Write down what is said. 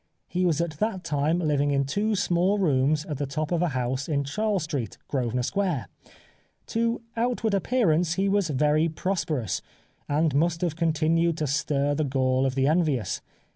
He was at that time living in two small rooms at the top of a house in Charles Street, Grosvenor Square. To outward appearance he was very prosperous, and must have continued to stir the gall of the envious.